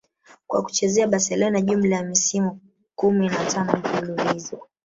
kwa kuchezea Barcelona jumla ya misimu kumi na tano mfululizo